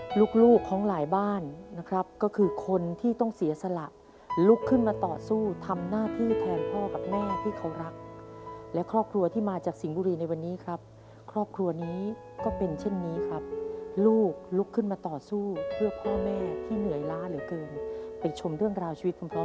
ลูกลูกของหลายบ้านนะครับก็คือคนที่ต้องเสียสละลุกขึ้นมาต่อสู้ทำหน้าที่แทนพ่อกับแม่ที่เขารักและครอบครัวที่มาจากสิงห์บุรีในวันนี้ครับครอบครัวนี้ก็เป็นเช่นนี้ครับลูกลุกขึ้นมาต่อสู้เพื่อพ่อแม่ที่เหนื่อยล้าเหลือเกินไปชมเรื่องราวชีวิตพร้อม